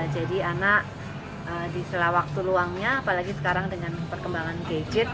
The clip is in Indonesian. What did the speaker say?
jadi anak di setelah waktu luangnya apalagi sekarang dengan perkembangan gadget